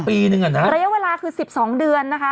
ปีนึงอ่ะนะระยะเวลาคือ๑๒เดือนนะคะ